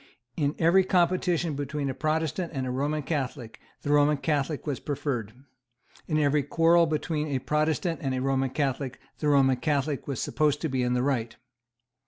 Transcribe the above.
In every competition between a Protestant and a Roman Catholic the Roman Catholic was preferred. In every quarrel between a Protestant and a Roman Catholic the Roman Catholic was supposed to be in the right.